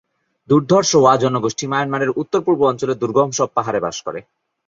দুর্ধর্ষ ওয়া জনগোষ্ঠী মায়ানমারের উত্তর-পূর্ব অঞ্চলের দুর্গম সব পাহাড়ে বাস করে।